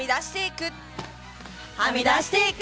はみ出していく。